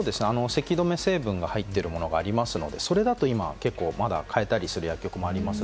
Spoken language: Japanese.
咳止め成分が入ってるものがあるので、それだと結構まだ買えたりする薬局もあります。